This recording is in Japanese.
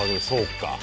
そうか。